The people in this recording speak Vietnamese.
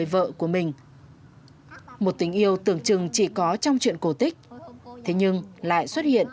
vợ của mình một tình yêu tưởng chừng chỉ có trong chuyện cổ tích thế nhưng lại xuất hiện